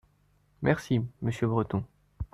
Merci, monsieur Breton.